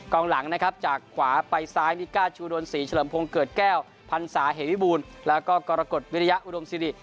องหลังนะครับจากขวาไปซ้ายมิก้าชูดวนศรีเฉลิมพงศ์เกิดแก้วพันศาเหวิบูรณ์แล้วก็กรกฎวิริยะอุดมสิริ